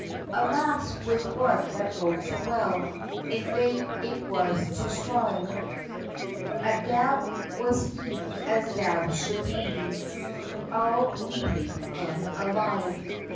Alas! with one that rode so well In vain it was to strive; A dab was he, as dabs should be All leaping and alive!